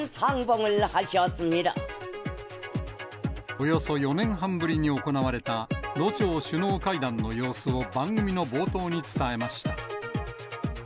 およそ４年半ぶりに行われたロ朝首脳会談の様子を番組の冒頭に伝えました。